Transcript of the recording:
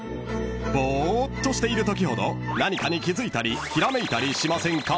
［ボーっとしているときほど何かに気付いたりひらめいたりしませんか？］